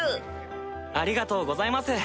ありがとうございます。